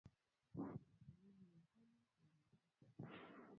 Dalili ya homa ya mapafu